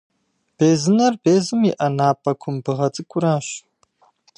Безынэр безым иӏэ напӏэ кумбыгъэ цӏыкӏуращ.